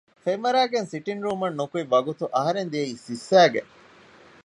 ފެންވަރައިގެން ސިޓިންގ ރޫމަށް ނިކުތް ވަގުތު އަހަރެން ދިޔައީ ސިއްސައިގެން